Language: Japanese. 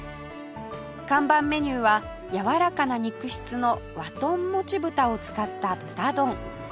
看板メニューはやわらかな肉質の和豚もちぶたを使った豚丼